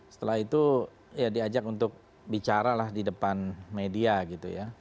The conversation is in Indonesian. setelah itu ya diajak untuk bicara lagi dan berbicara lagi